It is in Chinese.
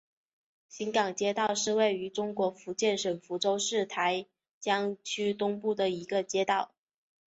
新港街道是位于中国福建省福州市台江区东部的一个街道。